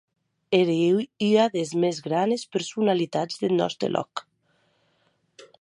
Ère ua des mès granes personalitats deth nòste lòc.